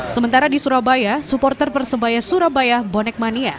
sementara di surabaya supporter persebaya surabaya bonek mania